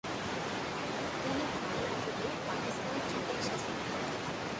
তিনি ভারত থেকে পাকিস্তানে চলে এসেছিলেন।